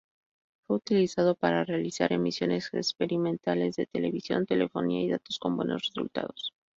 Fue utilizado para realizar emisiones experimentales de televisión, telefonía y datos con buenos resultados.